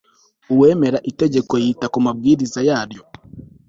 uwemera itegeko yita ku mabwiriza yaryo